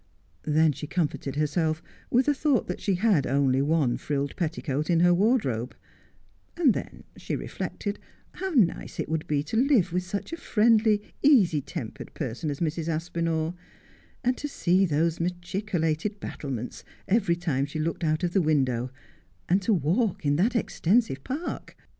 Then she comforted herself with the thought that she had only one frilled petticoat in her wardrobe ; and then she reflected how nice it would be to live with such a friendly, easy tempered person as Mrs. Aspinall, and to see those machicolated battlements every time she looked out of the window, and to walk in that extensive park.